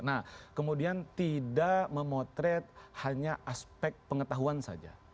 nah kemudian tidak memotret hanya aspek pengetahuan saja